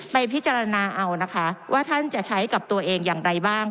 ไปพิจารณาเอานะคะว่าท่านจะใช้กับตัวเองอย่างไรบ้าง